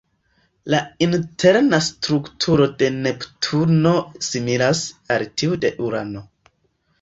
La interna strukturo de Neptuno similas al tiu de Urano.